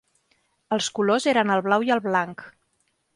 Els colors eren el blau i el blanc.